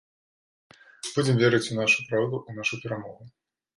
Будзем верыць у нашу праўду, у нашу перамогу.